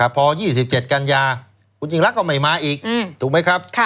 พออียีสิบเจ็บเกินอย่างคุณยิ่งรักก็ไม่มาอีกถูกไหมครับ